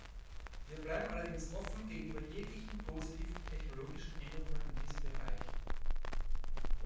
Wir bleiben allerdings offen gegenüber jeglichen positiven technologischen Änderungen in diesem Bereich.